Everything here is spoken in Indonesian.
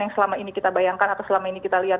yang selama ini kita bayangkan atau selama ini kita lihat